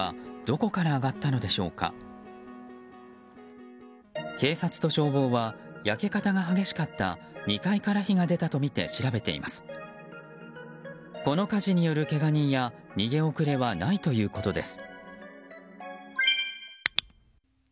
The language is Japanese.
この火事によるけが人や逃げ遅れはないということです。